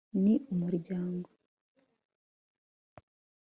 ni umuryango